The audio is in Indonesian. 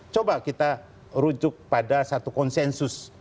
coba kita rujuk pada satu konsensus